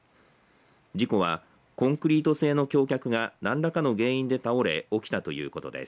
事故はコンクリート製の橋脚が何らかの原因で倒れ起きたということです。